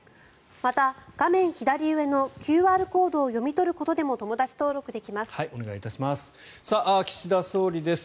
また画面左上のＱＲコードを読み取ることでもお願いいたします。